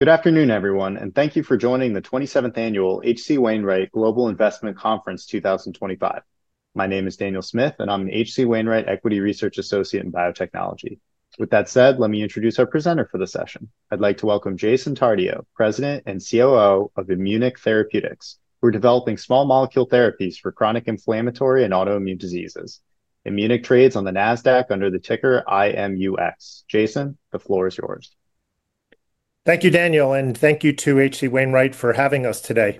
Good afternoon, everyone, and thank you for joining the 27th annual H.C. Wainwright Global Investment Conference 2025. My name is Daniel Smith, and I'm an H.C. Wainwright Equity Research Associate in Biotechnology. With that said, let me introduce our presenter for the session. I'd like to welcome Jason Tardio, President and COO of Immunic, Inc., who are developing small molecule therapies for chronic inflammatory and autoimmune diseases. Immunic trades on the NASDAQ under the ticker IMUX. Jason, the floor is yours. Thank you, Daniel, and thank you to H.C. Wainwright for having us today.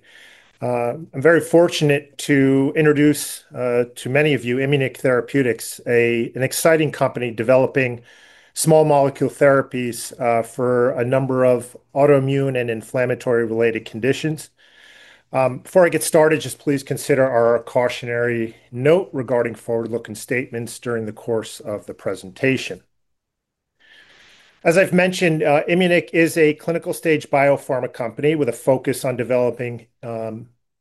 I'm very fortunate to introduce to many of you Immunic Therapeutics, an exciting company developing small molecule therapies for a number of autoimmune and inflammatory-related conditions. Before I get started, just please consider our cautionary note regarding forward-looking statements during the course of the presentation. As I've mentioned, Immunic, is a clinical-stage biopharma company with a focus on developing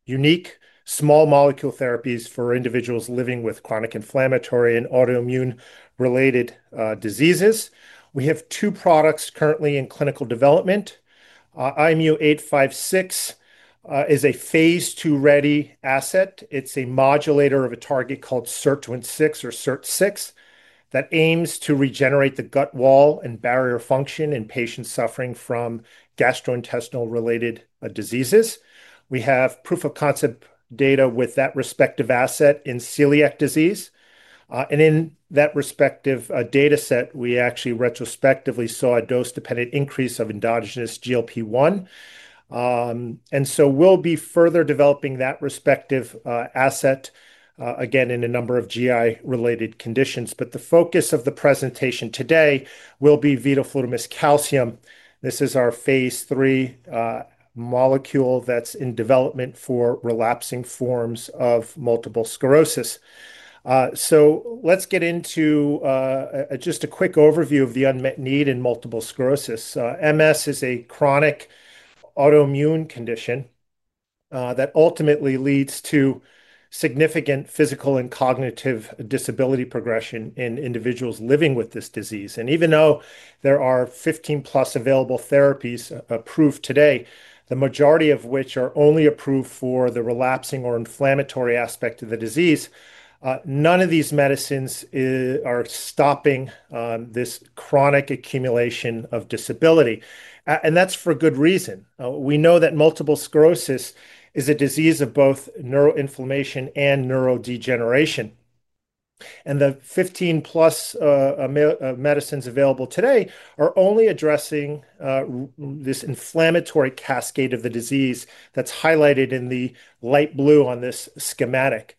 unique small molecule therapies for individuals living with chronic inflammatory and autoimmune-related diseases. We have two products currently in clinical development. IMU-856 is a phase II-ready asset. It's a modulator of a target called SIRT6 that aims to regenerate the gut wall and barrier function in patients suffering from gastrointestinal-related diseases. We have proof-of-concept data with that respective asset in celiac disease. In that respective data set, we actually retrospectively saw a dose-dependent increase of endogenous GLP-1. We'll be further developing that respective asset again in a number of GI-related conditions. The focus of the presentation today will be vidofludimus calcium. This is our Phase III molecule that's in development for relapsing forms of multiple sclerosis. Let's get into just a quick overview of the unmet need in multiple sclerosis. MS is a chronic autoimmune condition that ultimately leads to significant physical and cognitive disability progression in individuals living with this disease. Even though there are 15+ available therapies approved today, the majority of which are only approved for the relapsing or inflammatory aspect of the disease, none of these medicines are stopping this chronic accumulation of disability. That's for good reason. We know that multiple sclerosis is a disease of both neuroinflammation and neurodegeneration. The 15+ medicines available today are only addressing this inflammatory cascade of the disease that's highlighted in the light blue on this schematic.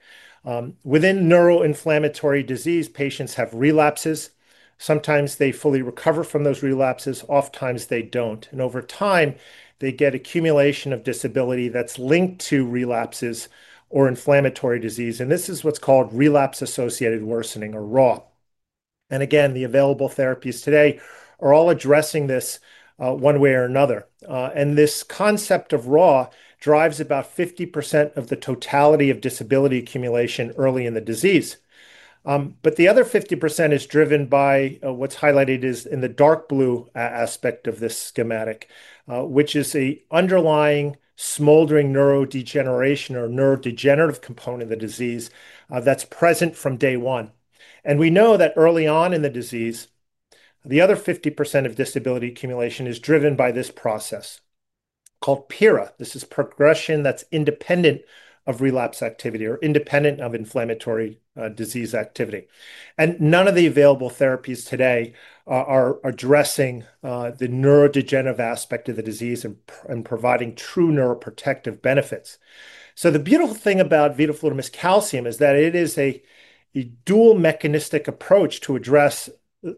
Within neuroinflammatory disease, patients have relapses. Sometimes they fully recover from those relapses, oftentimes, they don't. Over time, they get accumulation of disability that's linked to relapses or inflammatory disease. This is what's called relapse-associated worsening, or RAW. The available therapies today are all addressing this one way or another. This concept of RAW drives about 50% of the totality of disability accumulation early in the disease. The other 50% is driven by what's highlighted in the dark blue aspect of this schematic, which is an underlying smoldering neurodegeneration or neurodegenerative component of the disease that's present from day one. We know that early on in the disease, the other 50% of disability accumulation is driven by this process called PIRA. This is progression that's independent of relapse activity or independent of inflammatory disease activity. None of the available therapies today are addressing the neurodegenerative aspect of the disease and providing true neuroprotective benefits. The beautiful thing about vidofludimus calcium is that it is a dual mechanistic approach to address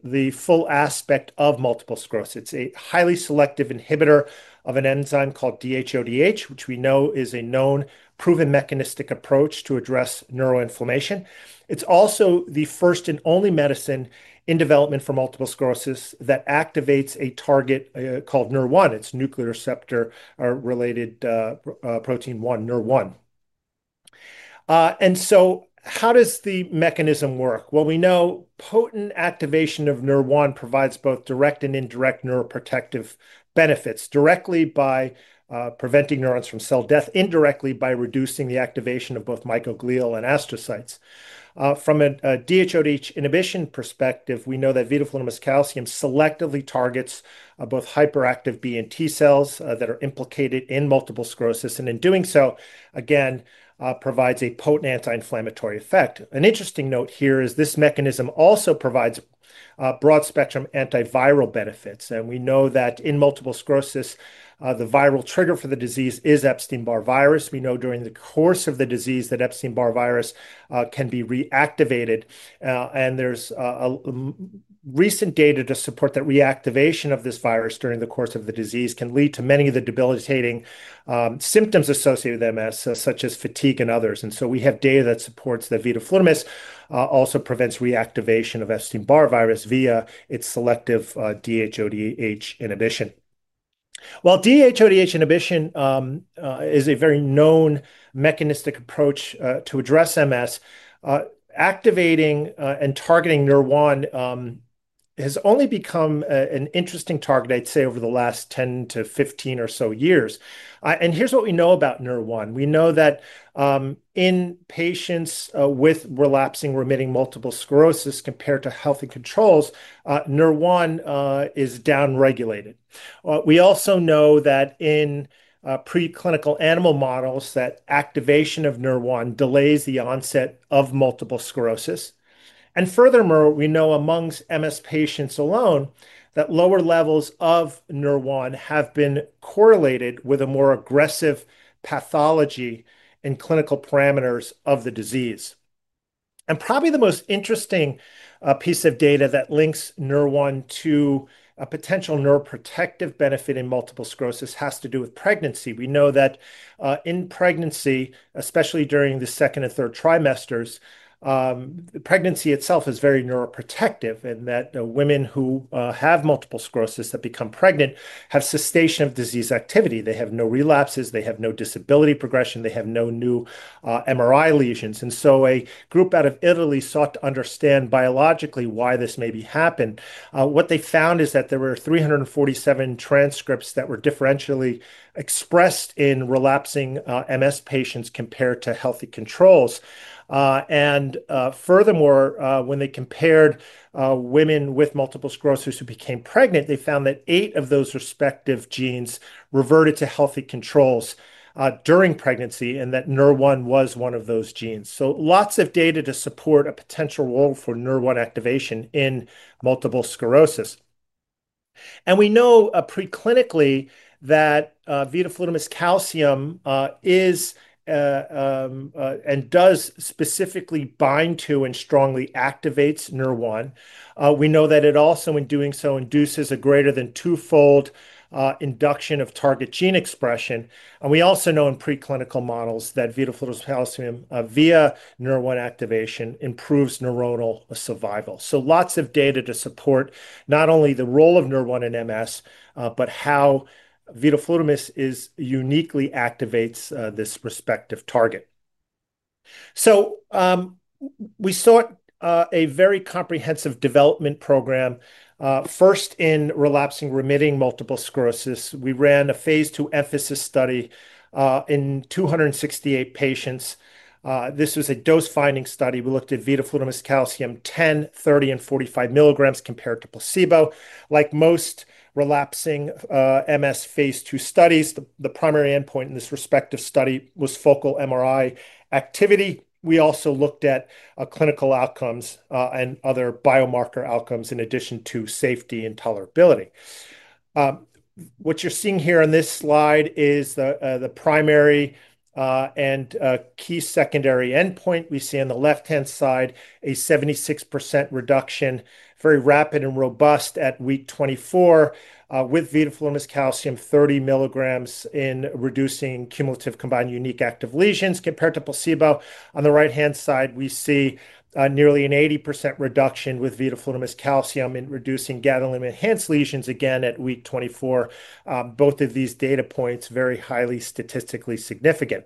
the full aspect of multiple sclerosis. It's a highly selective inhibitor of an enzyme called DHODH, which we know is a known proven mechanistic approach to address neuroinflammation. It's also the first and only medicine in development for multiple sclerosis that activates a target called nuclear receptor-related protein 1 (NRR-1). How does the mechanism work? Potent activation of NRR-1 provides both direct and indirect neuroprotective benefits, directly by preventing neurons from cell death, indirectly by reducing the activation of both microglial and astrocytes. From a DHODH inhibition perspective, we know that vidofludimus calcium selectively targets both hyperactive B and T cells that are implicated in multiple sclerosis. In doing so, it provides a potent anti-inflammatory effect. An interesting note here is this mechanism also provides broad-spectrum antiviral benefits. We know that in multiple sclerosis, the viral trigger for the disease is Epstein-Barr virus. During the course of the disease, Epstein-Barr virus can be reactivated. There is recent data to support that reactivation of this virus during the course of the disease can lead to many of the debilitating symptoms associated with MS, such as fatigue and others. We have data that supports that vidofludimus calcium also prevents reactivation of Epstein-Barr virus via its selective DHODH inhibition. While DHODH inhibition is a very known mechanistic approach to address MS, activating and targeting NRR-1 has only become an interesting target over the last 10 to 15 or so years. Here is what we know about NRR-1. We know that in patients with relapsing or remitting multiple sclerosis, compared to healthy controls, NRR-1 is downregulated. We also know that in preclinical animal models that activation of NRR-1 delays the onset of multiple sclerosis. Furthermore, we know amongst MS patients alone that lower levels of NRR-1 have been correlated with a more aggressive pathology and clinical parameters of the disease. Probably the most interesting piece of data that links NRR-1 to a potential neuroprotective benefit in multiple sclerosis has to do with pregnancy. We know that in pregnancy, especially during the second and third trimesters, pregnancy itself is very neuroprotective in that women who have multiple sclerosis that become pregnant have cessation of disease activity. They have no relapses. They have no disability progression. They have no new MRI lesions. A group out of Italy sought to understand biologically why this may be happening. What they found is that there were 347 transcripts that were differentially expressed in relapsing MS patients compared to healthy controls. Furthermore, when they compared women with multiple sclerosis who became pregnant, they found that eight of those respective genes reverted to healthy controls during pregnancy and that NRR-1 was one of those genes. Lots of data support a potential role for NRR-1 activation in multiple sclerosis. We know preclinically that vidofludimus calcium is and does specifically bind to and strongly activate NRR-1. We know that it also, in doing so, induces a greater than twofold induction of target gene expression. We also know in preclinical models that vidofludimus calcium via NRR-1 activation improves neuronal survival. Lots of data support not only the role of NRR-1 in MS, but how vidofludimus uniquely activates this respective target. We sought a very comprehensive development program, first in relapsing remitting multiple sclerosis. We ran a Phase II EMPhASIS study in 268 patients. This was a dose-finding study. We looked at vidofludimus calcium 10 mg, 30 mg, and 45 mg compared to placebo. Like most relapsing MS Phase II studies, the primary endpoint in this respective study was focal MRI activity. We also looked at clinical outcomes and other biomarker outcomes in addition to safety and tolerability. What you're seeing here on this slide is the primary and key secondary endpoint. We see on the left-hand side a 76% reduction, very rapid and robust at week 24, with vidofludimus calcium 30 mg in reducing cumulative combined unique active lesions compared to placebo. On the right-hand side, we see nearly an 80% reduction with vidofludimus calcium in reducing gadolinium-enhanced lesions again at week 24. Both of these data points are very highly statistically significant.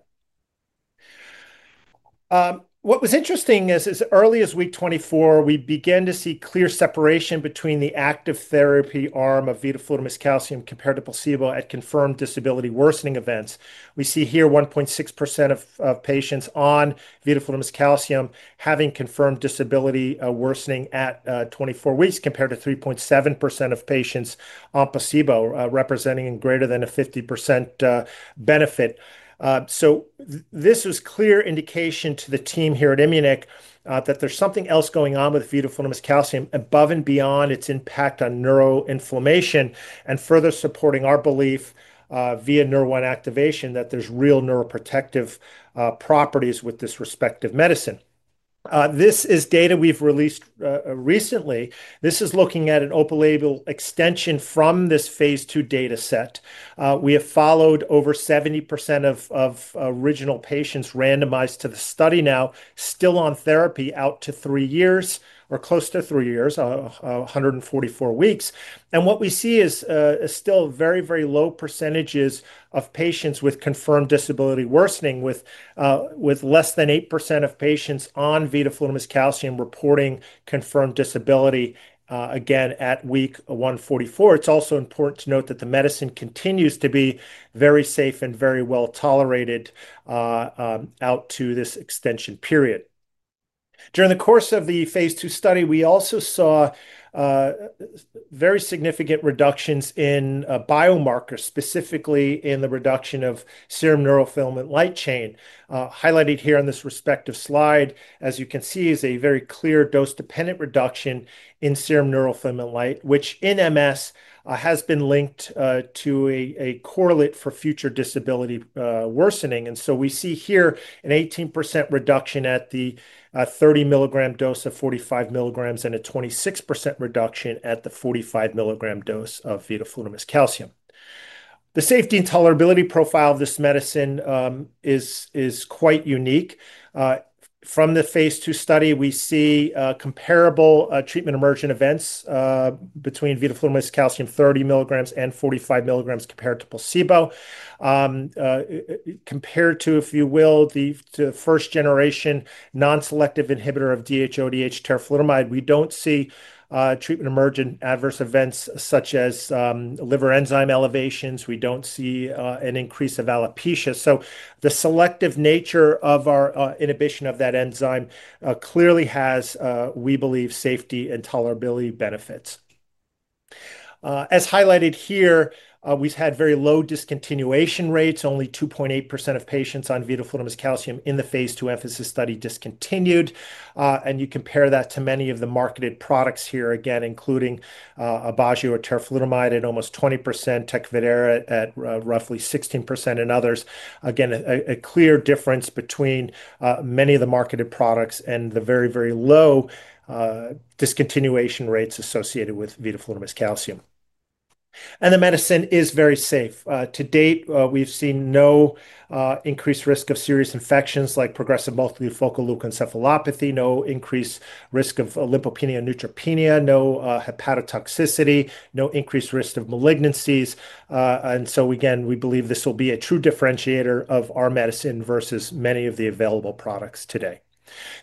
What was interesting is as early as week 24, we began to see clear separation between the active therapy arm of vidofludimus calcium compared to placebo at confirmed disability worsening events. We see here 1.6% of patients on vidofludimus calcium having confirmed disability worsening at 24 weeks compared to 3.7% of patients on placebo, representing greater than a 50% benefit. This was a clear indication to the team here at Immunic. that there's something else going on with vidofludimus calcium above and beyond its impact on neuroinflammation and further supporting our belief via NRR-1 activation that there's real neuroprotective properties with this respective medicine. This is data we've released recently. This is looking at an open-label extension from this phase II data set. We have followed over 70% of original patients randomized to the study now, still on therapy out to three years or close to three years, 144 weeks. What we see is still very, very low percentages of patients with confirmed disability worsening, with less than 8% of patients on vidofludimus calcium reporting confirmed disability again at week 144. It's also important to note that the medicine continues to be very safe and very well tolerated out to this extension period. During the course of the Phase II study, we also saw very significant reductions in biomarkers, specifically in the reduction of serum neurofilament light chain. Highlighted here on this respective slide, as you can see, is a very clear dose-dependent reduction in serum neurofilament light, which in MS has been linked to a correlate for future disability worsening. We see here an 18% reduction at the 30 mg dose and a 26% reduction at the 45 mg dose of vidofludimus calcium. The safety and tolerability profile of this medicine is quite unique. From the phase II study, we see comparable treatment emergent events between vidofludimus calcium 30 mg and 45 mg compared to placebo. Compared to, if you will, the first-generation non-selective inhibitor of DHODH teriflunomide, we don't see treatment emergent adverse events such as liver enzyme elevations. We don't see an increase of alopecia. The selective nature of our inhibition of that enzyme clearly has, we believe, safety and tolerability benefits. As highlighted here, we've had very low discontinuation rates. Only 2.8% of patients on vidofludimus calcium in the phase II EMPhASIS study discontinued. You compare that to many of the marketed products here again, including Aubagio teriflunomide at almost 20%, Tecfidera at roughly 16%, and others. There is a clear difference between many of the marketed products and the very, very low discontinuation rates associated with vidofludimus calcium. The medicine is very safe. To date, we've seen no increased risk of serious infections like progressive multifocal leukoencephalopathy, no increased risk of leukopenia and neutropenia, no hepatotoxicity, no increased risk of malignancies. We believe this will be a true differentiator of our medicine versus many of the available products today.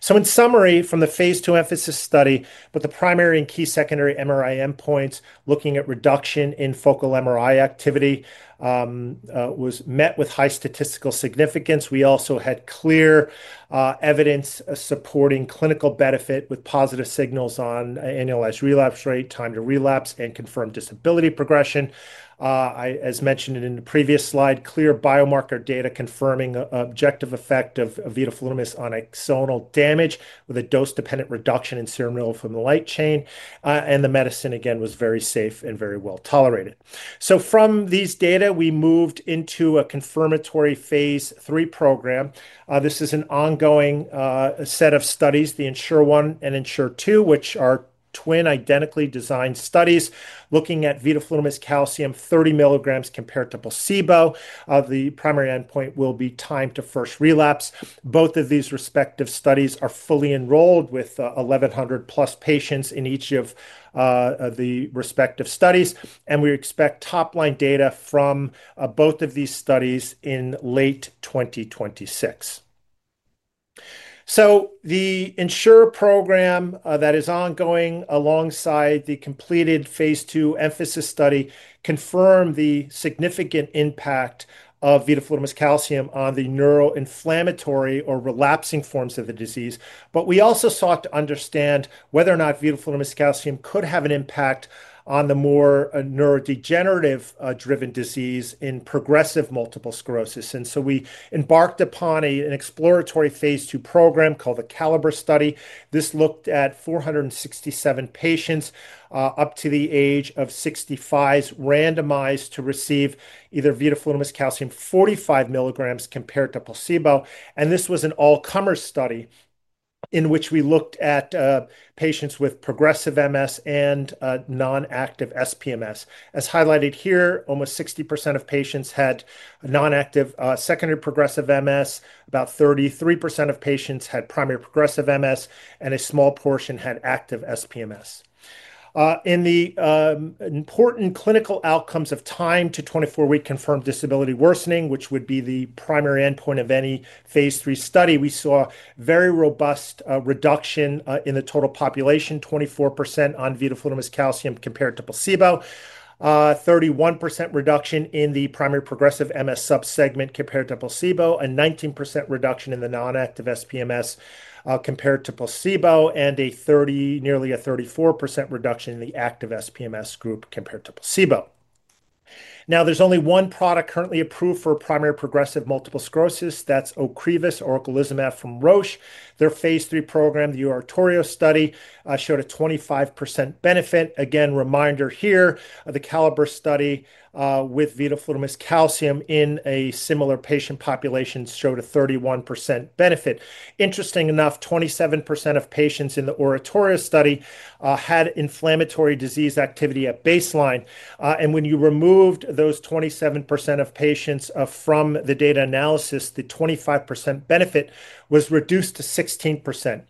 In summary, from the Phase II EMPhASIS study, the primary and key secondary MRI endpoints looking at reduction in focal MRI activity was met with high statistical significance. We also had clear evidence supporting clinical benefit with positive signals on annualized relapse rate, time to relapse, and confirmed disability progression. As mentioned in the previous slide, clear biomarker data confirmed the objective effect of vidofludimus calcium on axonal damage with a dose-dependent reduction in serum neurofilament light chain. The medicine, again, was very safe and very well tolerated. From these data, we moved into a confirmatory Phase III program. This is an ongoing set of studies, the ENSURE I and ENSURE II, which are twin identically designed studies looking at vidofludimus calcium 30 mg compared to placebo. The primary endpoint will be time to first relapse. Both of these respective studies are fully enrolled with 1,100+ patients in each of the respective studies. We expect top-line data from both of these studies in late 2026. The ENSURE program that is ongoing alongside the completed Phase II EMPhASIS study confirmed the significant impact of vidofludimus calcium on the neuroinflammatory or relapsing forms of the disease. We also sought to understand whether or not vidofludimus calcium could have an impact on the more neurodegenerative-driven disease in progressive multiple sclerosis. We embarked upon an exploratory Phase II program called the CALIBRATE study. This looked at 467 patients up to the age of 65, randomized to receive either vidofludimus calcium 45 mg compared to placebo. This was an all-comer study in which we looked at patients with progressive MS and non-active SPMS. As highlighted here, almost 60% of patients had non-active secondary progressive MS, about 33% of patients had primary progressive MS, and a small portion had active SPMS. In the important clinical outcomes of time to 24-week confirmed disability worsening, which would be the primary endpoint of any Phase III study, we saw very robust reduction in the total population, 24% on vidofludimus calcium compared to placebo, 31% reduction in the primary progressive MS subsegment compared to placebo, and 19% reduction in the non-active SPMS compared to placebo, and a nearly 34% reduction in the active SPMS group compared to placebo. There is only one product currently approved for primary progressive multiple sclerosis. That's Ocrevus or ocrelizumab from Roche. Their phase III program, the ORATORIO study, showed a 25% benefit. Again, reminder here, the CALIBRATE study with vidofludimus calcium in a similar patient population showed a 31% benefit. Interestingly enough, 27% of patients in the ORATORIO study had inflammatory disease activity at baseline. When you removed those 27% of patients from the data analysis, the 25% benefit was reduced to 16%.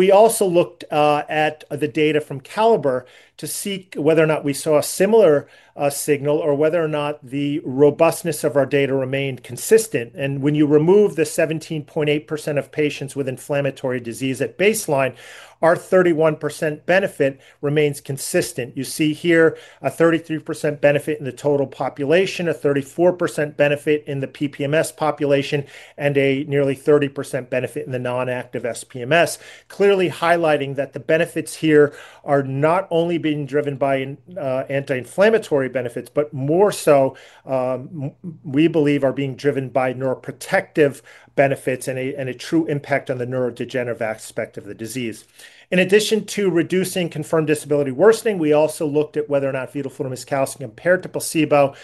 We also looked at the data from CALIBRATE to see whether or not we saw a similar signal or whether or not the robustness of our data remained consistent. When you remove the 17.8% of patients with inflammatory disease at baseline, our 31% benefit remains consistent. You see here a 33% benefit in the total population, a 34% benefit in the PPMS population, and a nearly 30% benefit in the non-active SPMS, clearly highlighting that the benefits here are not only being driven by anti-inflammatory benefits, but more so, we believe, are being driven by neuroprotective benefits and a true impact on the neurodegenerative aspect of the disease. In addition to reducing confirmed disability worsening, we also looked at whether or not vidofludimus calcium compared to placebo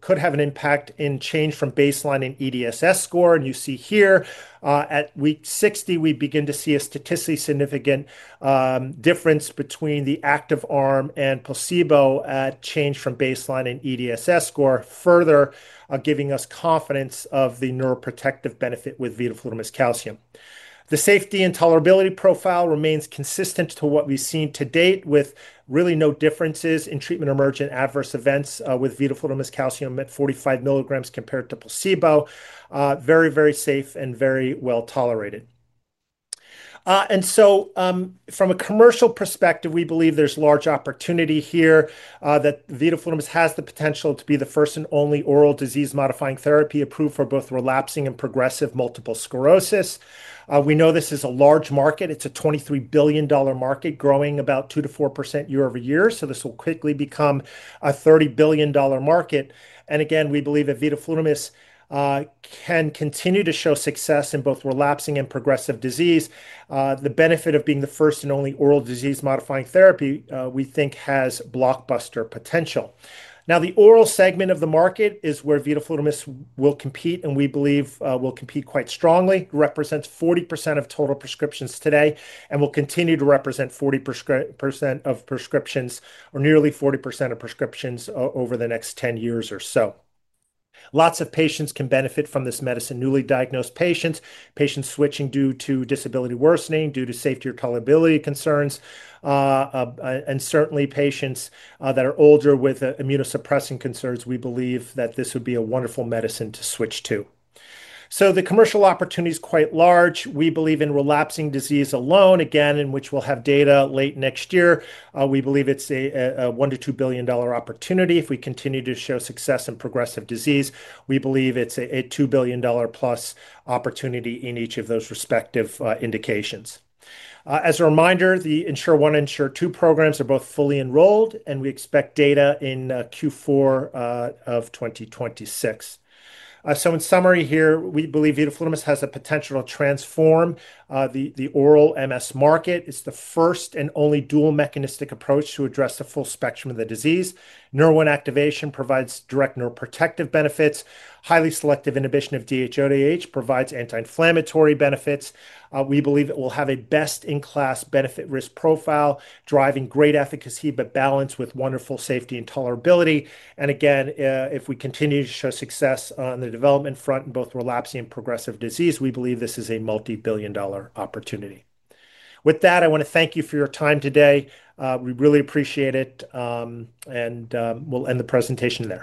could have an impact in change from baseline in EDSS score. You see here, at week 60, we begin to see a statistically significant difference between the active arm and placebo at change from baseline in EDSS score, further giving us confidence of the neuroprotective benefit with vidofludimus calcium. The safety and tolerability profile remains consistent to what we've seen to date, with really no differences in treatment emergent adverse events with vidofludimus calcium at 45 mg compared to placebo, very, very safe and very well tolerated. From a commercial perspective, we believe there's a large opportunity here that vidofludimus calcium has the potential to be the first and only oral disease-modifying therapy approved for both relapsing and progressive multiple sclerosis. We know this is a large market. It's a $23 billion market growing about 2%- 4% year- over- year. This will quickly become a $30 billion market. We believe that vidofludimus calcium can continue to show success in both relapsing and progressive disease. The benefit of being the first and only oral disease-modifying therapy, we think, has blockbuster potential. The oral segment of the market is where vidofludimus calcium will compete, and we believe it will compete quite strongly. It represents 40% of total prescriptions today and will continue to represent 40% of prescriptions or nearly 40% of prescriptions over the next 10 years or so. Lots of patients can benefit from this medicine: newly diagnosed patients, patients switching due to disability worsening, due to safety or tolerability concerns, and certainly patients that are older with immunosuppressing concerns. We believe that this would be a wonderful medicine to switch to. The commercial opportunity is quite large. We believe in relapsing disease alone, again, in which we'll have data late next year. We believe it's a $1 billion- $2 billion opportunity. If we continue to show success in progressive disease, we believe it's a $2 billion opportunity in each of those respective indications. As a reminder, the ENSURE I and ENSURE II programs are both fully enrolled, and we expect data in Q4 of 2026. In summary here, we believe vidofludimus calcium has the potential to transform the oral MS market. It's the first and only dual mechanistic approach to address the full spectrum of the disease. NRR-1 activation provides direct neuroprotective benefits. Highly selective inhibition of DHODH provides anti-inflammatory benefits. We believe it will have a best-in-class benefit-risk profile, driving great efficacy but balanced with wonderful safety and tolerability. If we continue to show success on the development front in both relapsing and progressive disease, we believe this is a multi-billion dollar opportunity. With that, I want to thank you for your time today. We really appreciate it. We'll end the presentation there.